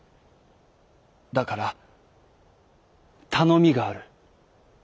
だからたのみがある。